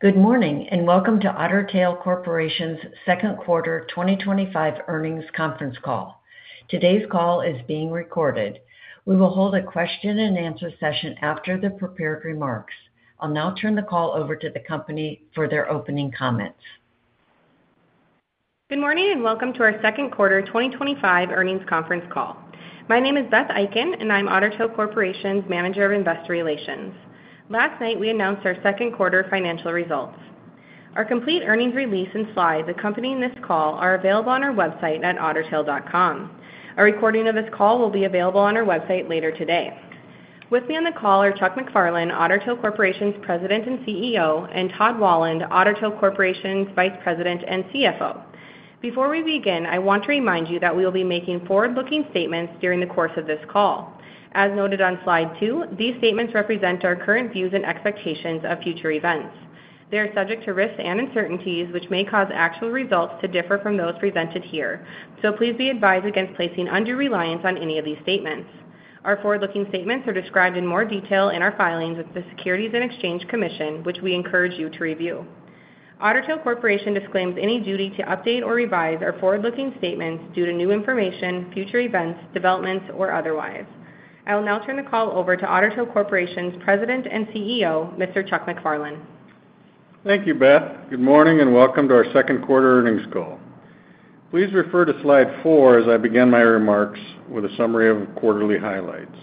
Good morning and welcome to Otter Tail Corporation's Second Quarter 2025 Earnings Conference Call. Today's call is being recorded. We will hold a question and answer session after the prepared remarks. I'll now turn the call over to the company for their opening comments. Good morning and welcome to our Second Suarter 2025 Earnings Conference Call. My name is Beth Eiken and I'm Otter Tail Corporation's Manager of Investor Relations. Last night, we announced our second quarter financial results. Our complete earnings release and slides accompanying this call are available on our website at ottertail.com. A recording of this call will be available on our website later today. With me on the call are Chuck MacFarlane, Otter Tail Corporation's President and CEO, and Todd Wahlund, Otter Tail Corporation's Vice President and CFO. Before we begin, I want to remind you that we will be making forward-looking statements during the course of this call. As noted on slide two, these statements represent our current views and expectations of future events. They are subject to risks and uncertainties which may cause actual results to differ from those presented here, so please be advised against placing undue reliance on any of these statements. Our forward-looking statements are described in more detail in our filings with the Securities and Exchange Commission, which we encourage you to review. Otter Tail Corporation disclaims any duty to update or revise our forward-looking statements due to new information, future events, developments, or otherwise. I will now turn the call over to Otter Tail Corporation's President and CEO, Mr. Chuck MacFarlane. Thank you, Beth. Good morning and welcome to our second quarter earnings call. Please refer to slide four as I begin my remarks with a summary of quarterly highlights.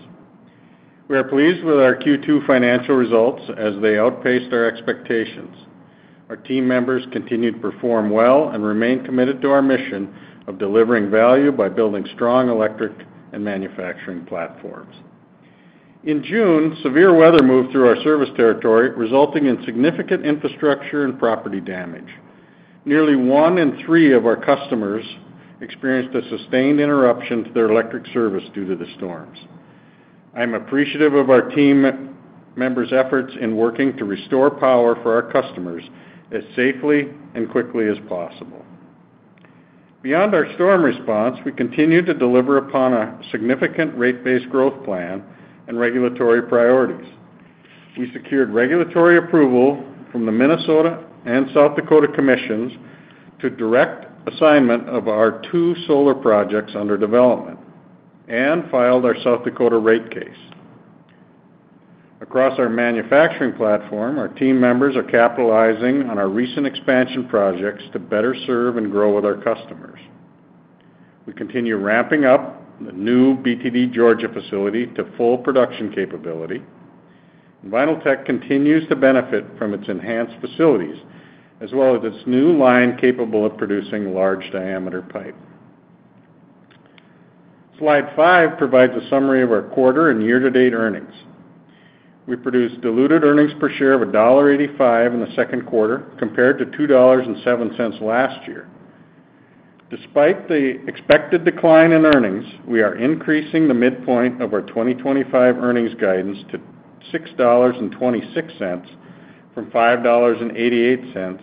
We are pleased with our Q2 financial results as they outpaced our expectations. Our team members continue to perform well and remain committed to our mission of delivering value by building strong electric and manufacturing platforms. In June, severe weather moved through our service territory, resulting in significant infrastructure and property damage. Nearly one in three of our customers experienced a sustained interruption to their electric service due to the storms. I am appreciative of our team members' efforts in working to restore power for our customers as safely and quickly as possible. Beyond our storm response, we continue to deliver upon a significant rate-based growth plan and regulatory priorities. We secured regulatory approval from the Minnesota and South Dakota commissions to direct assignment of our two solar projects under development and filed our South Dakota rate case. Across our manufacturing platform, our team members are capitalizing on our recent expansion projects to better serve and grow with our customers. We continue ramping up the new BTD Georgia facility to full production capability. Vinyltech continues to benefit from its enhanced facilities, as well as its new line capable of producing large diameter pipe. Slide five provides a summary of our quarter and year-to-date earnings. We produced diluted earnings per share of $1.85 in the second quarter, compared to $2.07 last year. Despite the expected decline in earnings, we are increasing the midpoint of our 2025 earnings guidance to $6.26 from $5.88,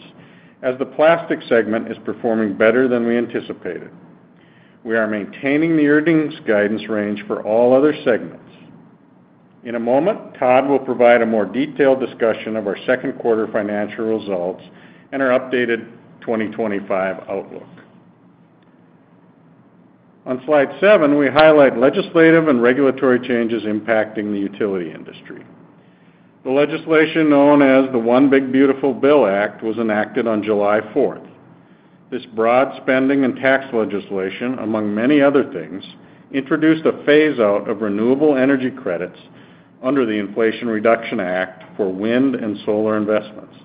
as the plastics segment is performing better than we anticipated. We are maintaining the earnings guidance range for all other segments. In a moment, Todd will provide a more detailed discussion of our second quarter financial results and our updated 2025 outlook. On slide seven, we highlight legislative and regulatory changes impacting the utility industry. The legislation known as the One Big Beautiful Bill Act was enacted on July 4th. This broad spending and tax legislation, among many other things, introduced a phase-out of renewable energy credits under the Inflation Reduction Act for wind and solar investments.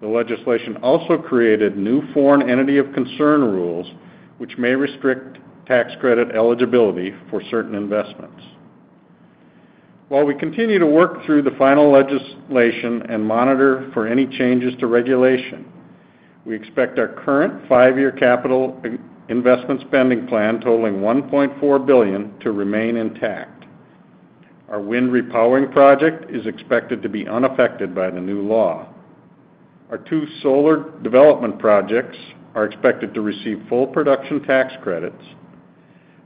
The legislation also created new foreign entity of concern rules, which may restrict tax credit eligibility for certain investments. While we continue to work through the final legislation and monitor for any changes to regulation, we expect our current five-year capital investment spending plan, totaling $1.4 billion, to remain intact. Our wind repowering project is expected to be unaffected by the new law. Our two solar development projects are expected to receive full production tax credits.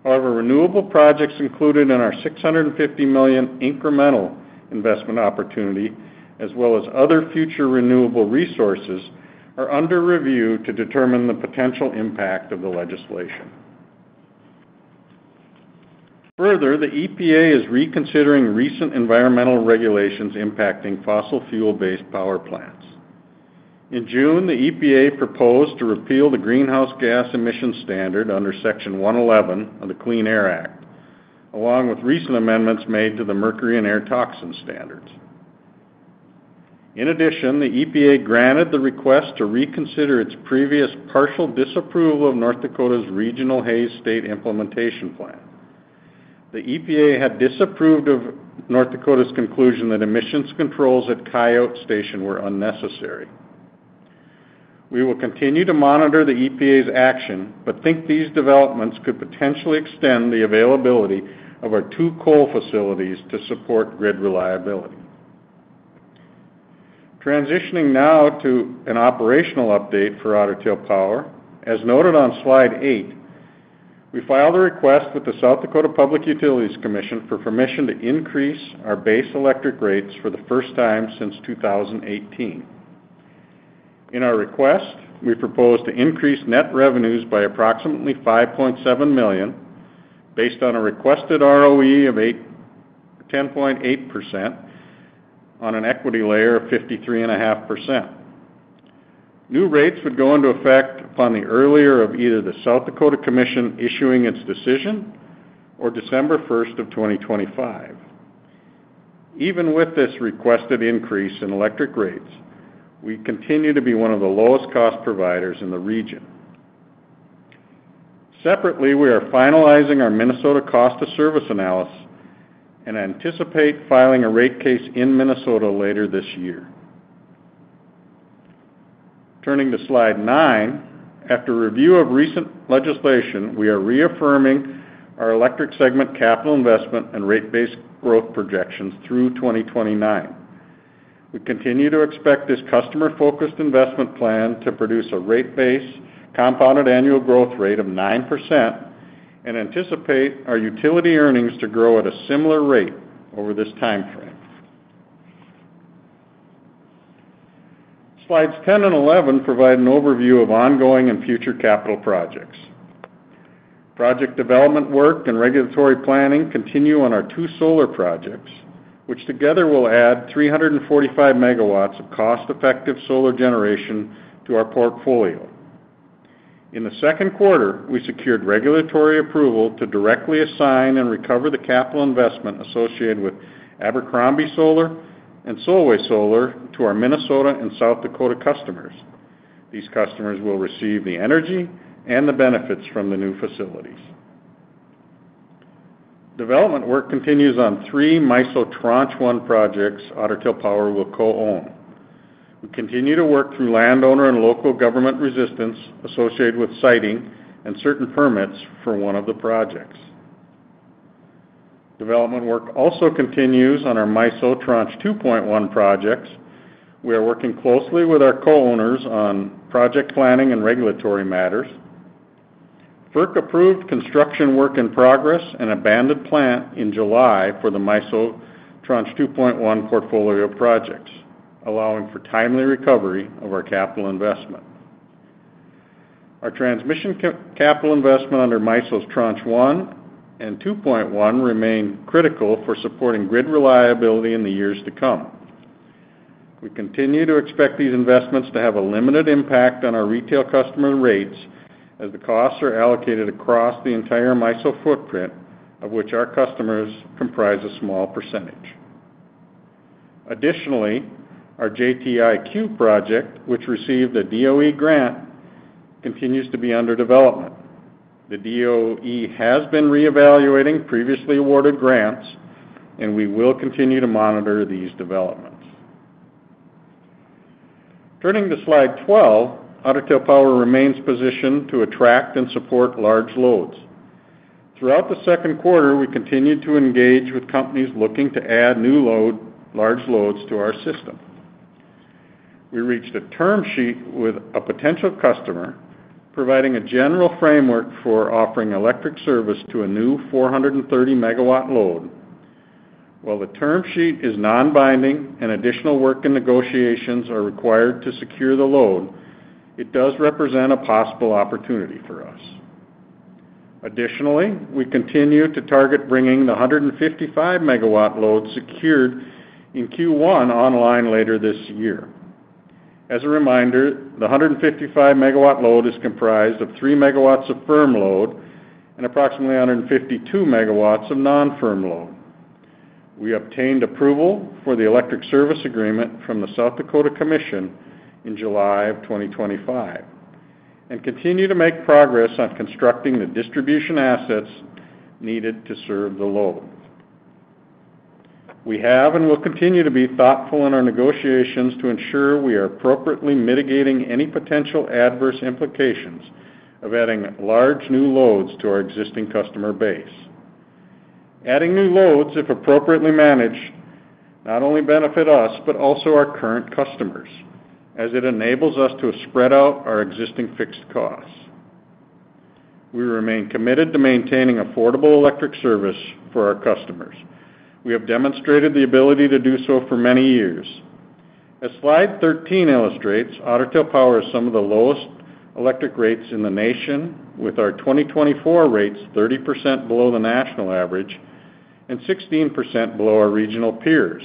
However, renewable projects included in our $650 million incremental investment opportunity, as well as other future renewable resources, are under review to determine the potential impact of the legislation. Further, the EPA is reconsidering recent environmental regulations impacting fossil fuel-based power plants. In June, the EPA proposed to repeal the greenhouse gas emission standard under Section 111 of the Clean Air Act, along with recent amendments made to the mercury and air toxins standards. In addition, the EPA granted the request to reconsider its previous partial disapproval of North Dakota's Regional Haze State Implementation Plan. The EPA had disapproved of North Dakota's conclusion that emissions controls at Coyote Station were unnecessary. We will continue to monitor the EPA's action, but think these developments could potentially extend the availability of our two coal facilities to support grid reliability. Transitioning now to an operational update for Otter Tail Power. As noted on slide eight, we filed a request with the South Dakota Public Utilities Commission for permission to increase our base electric rates for the first time since 2018. In our request, we propose to increase net revenues by approximately $5.7 million, based on a requested ROE of 10.8% on an equity layer of 53.5%. New rates would go into effect upon the earlier of either the South Dakota Commission issuing its decision or December 1, 2025. Even with this requested increase in electric rates, we continue to be one of the lowest cost providers in the region. Separately, we are finalizing our Minnesota cost of service analysis and anticipate filing a rate case in Minnesota later this year. Turning to slide nine, after review of recent legislation, we are reaffirming our electric segment capital investment and rate-based growth projections through 2029. We continue to expect this customer-focused investment plan to produce a rate-based compounded annual growth rate of 9% and anticipate our utility earnings to grow at a similar rate over this timeframe. Slides 10 and 11 provide an overview of ongoing and future capital projects. Project development work and regulatory planning continue on our two solar projects, which together will add 345 MW of cost-effective solar generation to our portfolio. In the second quarter, we secured regulatory approval to directly assign and recover the capital investment associated with Abercrombie Solar and Solway Solar to our Minnesota and South Dakota customers. These customers will receive the energy and the benefits from the new facilities. Development work continues on three MISO Tranche 1 projects Otter Tail Power will co-own. We continue to work through landowner and local government resistance associated with siting and certain permits for one of the projects. Development work also continues on our MISO Tranche 2.1 projects. We are working closely with our co-owners on project planning and regulatory matters. FERC approved construction work in progress and a banded plant in July for the MISO Tranche 2.1 portfolio projects, allowing for timely recovery of our capital investment. Our transmission capital investment under MISO's Tranche 1 and 2.1 remains critical for supporting grid reliability in the years to come. We continue to expect these investments to have a limited impact on our retail customer rates as the costs are allocated across the entire MISO footprint, of which our customers comprise a small percentage. Additionally, our JTIQ project, which received a DOE grant, continues to be under development. The DOE has been reevaluating previously awarded grants, and we will continue to monitor these developments. Turning to slide 12, Otter Tail Power remains positioned to attract and support large loads. Throughout the second quarter, we continued to engage with companies looking to add new large loads to our system. We reached a term sheet with a potential customer, providing a general framework for offering electric service to a new 430 MW load. While the term sheet is non-binding and additional work and negotiations are required to secure the load, it does represent a possible opportunity for us. Additionally, we continue to target bringing the 155 MW load secured in Q1 online later this year. As a reminder, the 155 MW load is comprised of 3 MW of firm load and approximately 152 MW of non-firm load. We obtained approval for the electric service agreement from the South Dakota Commission in July of 2025 and continue to make progress on constructing the distribution assets needed to serve the load. We have and will continue to be thoughtful in our negotiations to ensure we are appropriately mitigating any potential adverse implications of adding large new loads to our existing customer base. Adding new loads, if appropriately managed, not only benefit us but also our current customers, as it enables us to spread out our existing fixed costs. We remain committed to maintaining affordable electric service for our customers. We have demonstrated the ability to do so for many years. As slide 13 illustrates, Otter Tail Power has some of the lowest electric rates in the nation, with our 2024 rates 30% below the national average and 16% below our regional peers.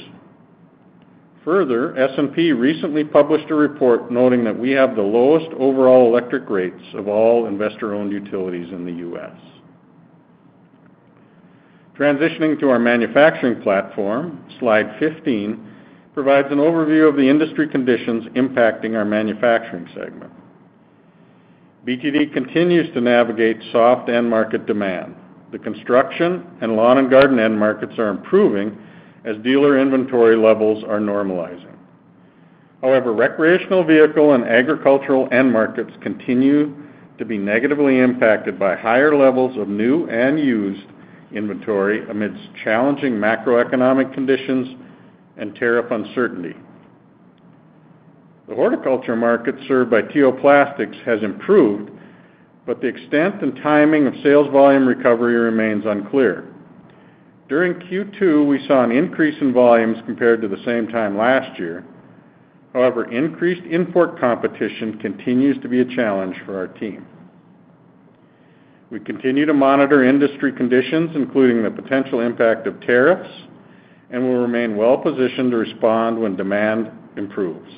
Further, S&P recently published a report noting that we have the lowest overall electric rates of all investor-owned utilities in the U.S. Transitioning to our manufacturing platform, slide 15 provides an overview of the industry conditions impacting our manufacturing segment. BTD continues to navigate soft end market demand. The construction and lawn and garden end markets are improving as dealer inventory levels are normalizing. However, recreational vehicle and agricultural end markets continue to be negatively impacted by higher levels of new and used inventory amidst challenging macroeconomic conditions and tariff uncertainty. The horticulture market served by T.O. Plastics has improved, but the extent and timing of sales volume recovery remains unclear. During Q2, we saw an increase in volumes compared to the same time last year. However, increased import competition continues to be a challenge for our team. We continue to monitor industry conditions, including the potential impact of tariffs, and will remain well-positioned to respond when demand improves.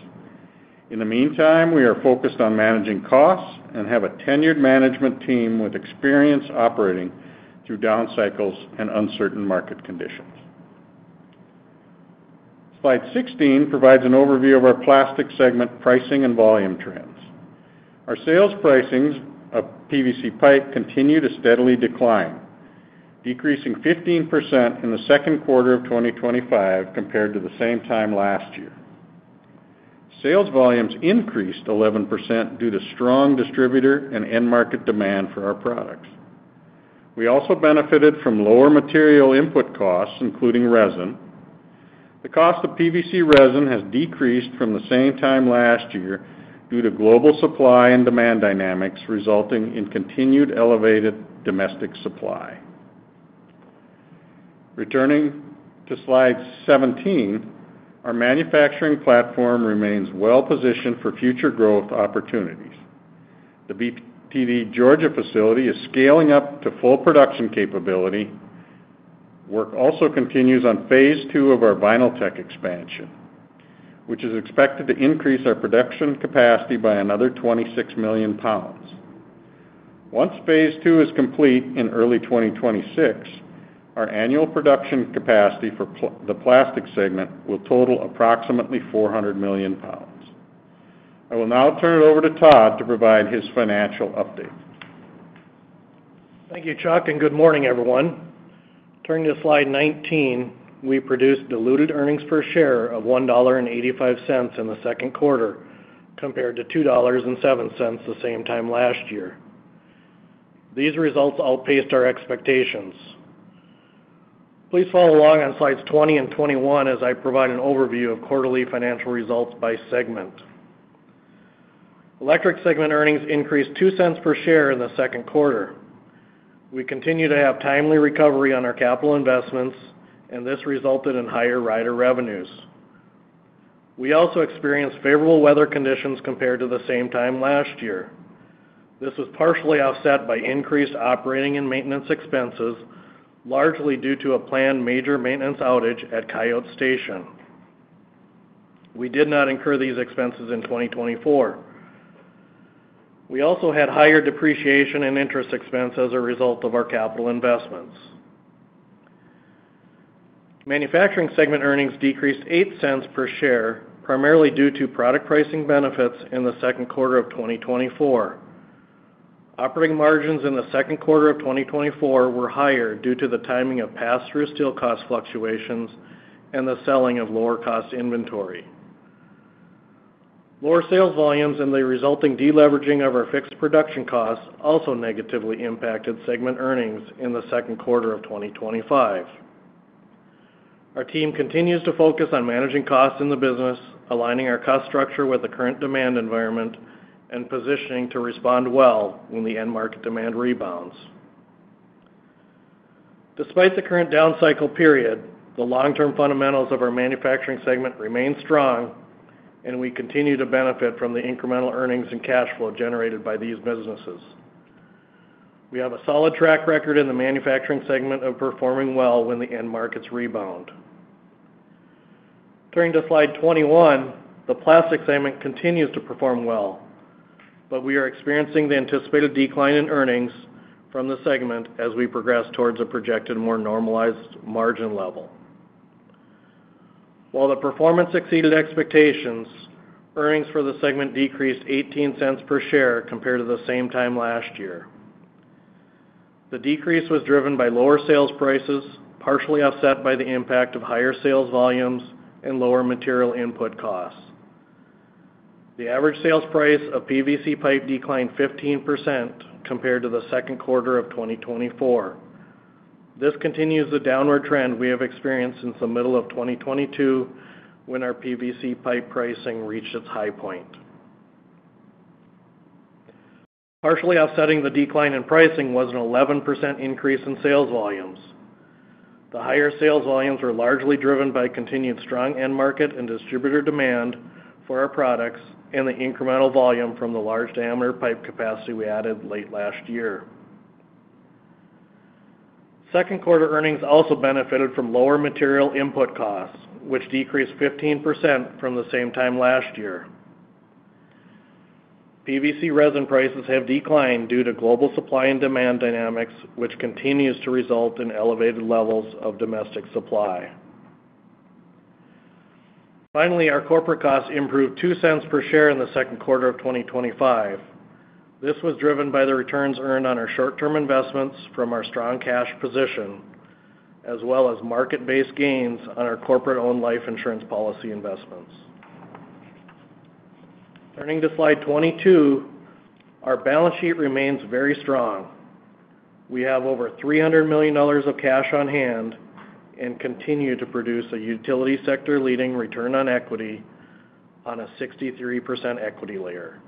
In the meantime, we are focused on managing costs and have a tenured management team with experience operating through down cycles and uncertain market conditions. Slide 16 provides an overview of our plastics segment pricing and volume trends. Our sales pricing of PVC pipe continue to steadily decline, decreasing 15% in the second quarter of 2025 compared to the same time last year. Sales volumes increased 11% due to strong distributor and end market demand for our products. We also benefited from lower material input costs, including resin. The cost of PVC resin has decreased from the same time last year due to global supply and demand dynamics, resulting in continued elevated domestic supply. Returning to slide 17, our manufacturing platform remains well-positioned for future growth opportunities. The BTD Georgia facility is scaling up to full production capability. Work also continues on phase two of our VinylTech expansion, which is expected to increase our production capacity by another 26 million pounds. Once phase two is complete in early 2026, our annual production capacity for the plastics segment will total approximately 400 million pounds. I will now turn it over to Todd to provide his financial update. Thank you, Chuck, and good morning, everyone. Turning to slide 19, we produced diluted earnings per share of $1.85 in the second quarter, compared to $2.07 the same time last year. These results outpaced our expectations. Please follow along on slides 20 and 21 as I provide an overview of quarterly financial results by segment. Electric segment earnings increased $0.02 per share in the second quarter. We continue to have timely recovery on our capital investments, and this resulted in higher rider revenues. We also experienced favorable weather conditions compared to the same time last year. This was partially offset by increased operating and maintenance expenses, largely due to a planned major maintenance outage at Coyote Station. We did not incur these expenses in 2024. We also had higher depreciation and interest expense as a result of our capital investments. Manufacturing segment earnings decreased $0.08 per share, primarily due to product pricing benefits in the second quarter of 2024. Operating margins in the second quarter of 2024 were higher due to the timing of pass-through steel cost fluctuations and the selling of lower-cost inventory. Lower sales volumes and the resulting deleveraging of our fixed production costs also negatively impacted segment earnings in the second quarter of 2025. Our team continues to focus on managing costs in the business, aligning our cost structure with the current demand environment, and positioning to respond well when the end market demand rebounds. Despite the current down cycle period, the long-term fundamentals of our manufacturing segment remain strong, and we continue to benefit from the incremental earnings and cash flow generated by these businesses. We have a solid track record in the manufacturing segment of performing well when the end markets rebound. Turning to slide 21, the plastics segment continues to perform well, but we are experiencing the anticipated decline in earnings from the segment as we progress towards a projected more normalized margin level. While the performance exceeded expectations, earnings for the segment decreased $0.18 per share compared to the same time last year. The decrease was driven by lower sales prices, partially offset by the impact of higher sales volumes and lower material input costs. The average sales price of PVC pipe declined 15% compared to the second quarter of 2024. This continues the downward trend we have experienced since the middle of 2022 when our PVC pipe pricing reached its high point. Partially offsetting the decline in pricing was an 11% increase in sales volumes. The higher sales volumes were largely driven by continued strong end market and distributor demand for our products and the incremental volume from the large diameter pipe capacity we added late last year. Second quarter earnings also benefited from lower material input costs, which decreased 15% from the same time last year. PVC resin prices have declined due to global supply and demand dynamics, which continue to result in elevated levels of domestic supply. Finally, our corporate costs improved $0.02 per share in the second quarter of 2025. This was driven by the returns earned on our short-term investments from our strong cash position, as well as market-based gains on our corporate-owned life insurance policy investments. Turning to slide 22, our balance sheet remains very strong. We have over $300 million of cash on hand and continue to produce a utility sector-leading return on equity on a 63% equity layer.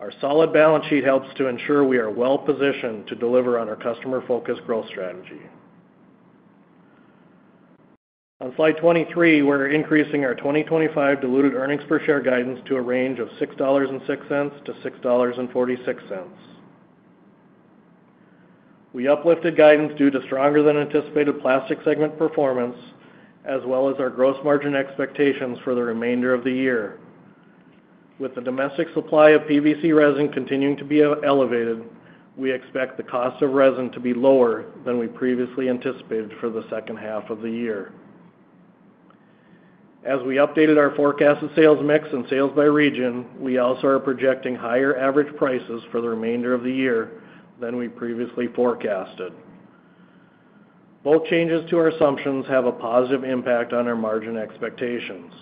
Our solid balance sheet helps to ensure we are well-positioned to deliver on our customer-focused growth strategy. On slide 23, we're increasing our 2025 diluted earnings per share guidance to a range of $6.06 to $6.46. We uplifted guidance due to stronger than anticipated plastics segment performance, as well as our gross margin expectations for the remainder of the year. With the domestic supply of PVC resin continuing to be elevated, we expect the cost of resin to be lower than we previously anticipated for the second half of the year. As we updated our forecasted sales mix and sales by region, we also are projecting higher average prices for the remainder of the year than we previously forecasted. Both changes to our assumptions have a positive impact on our margin expectations.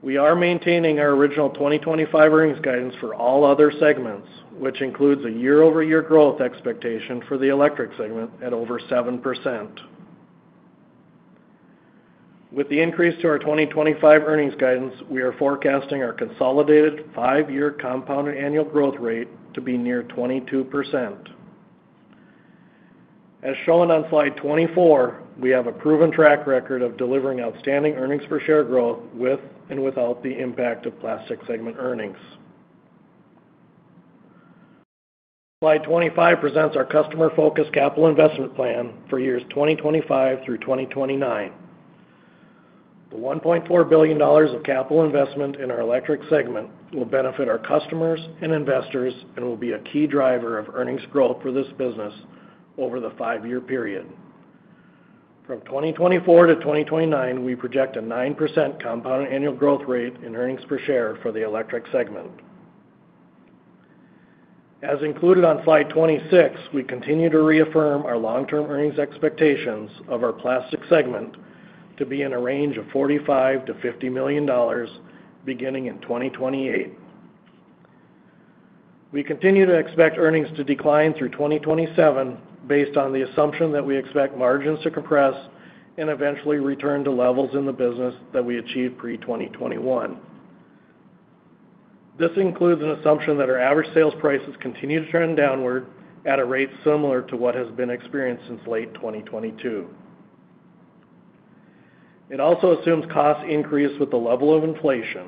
We are maintaining our original 2025 earnings guidance for all other segments, which includes a year-over-year growth expectation for the electric segment at over 7%. With the increase to our 2025 earnings guidance, we are forecasting our consolidated five-year compounded annual growth rate to be near 22%. As shown on slide 24, we have a proven track record of delivering outstanding earnings per share growth with and without the impact of plastics segment earnings. Slide 25 presents our customer-focused capital investment plan for years 2025 through 2029. The $1.4 billion of capital investment in our electric segment will benefit our customers and investors and will be a key driver of earnings growth for this business over the five-year period. From 2024 to 2029, we project a 9% compounded annual growth rate in earnings per share for the electric segment. As included on slide 26, we continue to reaffirm our long-term earnings expectations of our plastics segment to be in a range of $45 million-$50 million beginning in 2028. We continue to expect earnings to decline through 2027 based on the assumption that we expect margins to compress and eventually return to levels in the business that we achieved pre-2021. This includes an assumption that our average sales prices continue to trend downward at a rate similar to what has been experienced since late 2022. It also assumes costs increase with the level of inflation.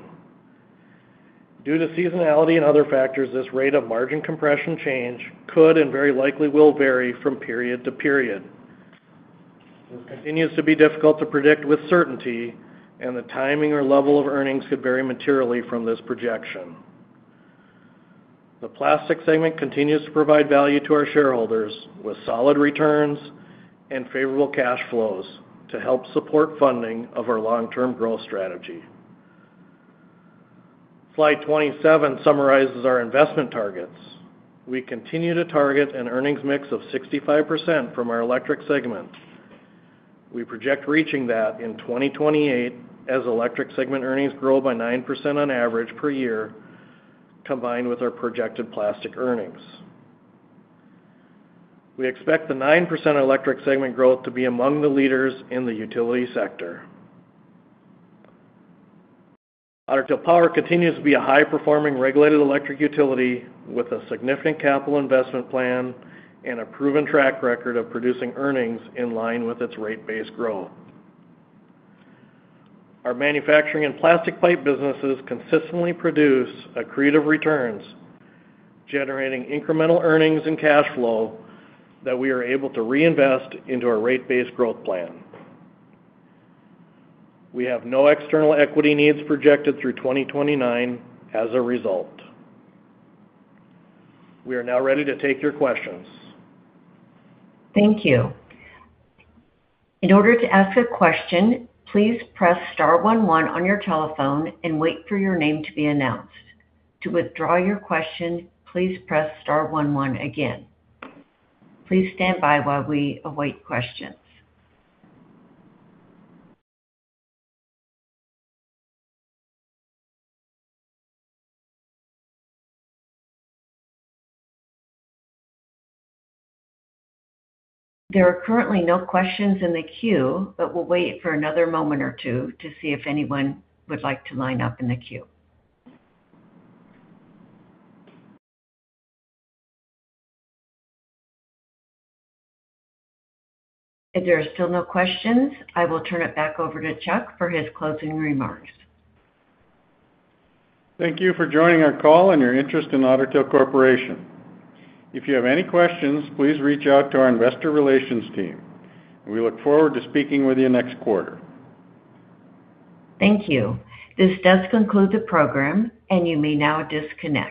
Due to seasonality and other factors, this rate of margin compression change could and very likely will vary from period to period. It continues to be difficult to predict with certainty, and the timing or level of earnings could vary materially from this projection. The plastics segment continues to provide value to our shareholders with solid returns and favorable cash flows to help support funding of our long-term growth strategy. Slide 27 summarizes our investment targets. We continue to target an earnings mix of 65% from our electric segment. We project reaching that in 2028 as electric segment earnings grow by 9% on average per year, combined with our projected plastics earnings. We expect the 9% electric segment growth to be among the leaders in the utility sector. Otter Tail Power continues to be a high-performing regulated electric utility with a significant capital investment plan and a proven track record of producing earnings in line with its rate-based growth. Our manufacturing and plastic pipe businesses consistently produce accretive returns, generating incremental earnings and cash flow that we are able to reinvest into our rate-based growth plan. We have no external equity needs projected through 2029 as a result. We are now ready to take your questions. Thank you. In order to ask a question, please press star one one on your telephone and wait for your name to be announced. To withdraw your question, please press star one one again. Please stand by while we await questions. There are currently no questions in the queue, but we'll wait for another moment or two to see if anyone would like to line up in the queue. If there are still no questions, I will turn it back over to Chuck for his closing remarks. Thank you for joining our call and your interest in Otter Tail Corporation. If you have any questions, please reach out to our Investor Relations team. We look forward to speaking with you next quarter. Thank you. This does conclude the program, and you may now disconnect.